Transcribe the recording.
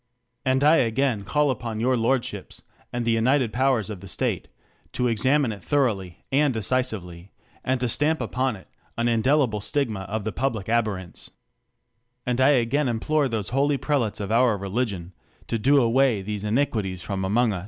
And I again call O upon 158 THE COLUMBIAN ORATOR. upon your lordships, and the united powers of the ^ State, to examine it thoroughly, and decisively, and toi^ 5tamp upon it an indelible stigma of the public abhor rence. And I again implore those holy prelates oi our relidon, to do away these initiuitics kom among u?.